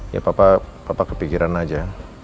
ya papa kepikiran aja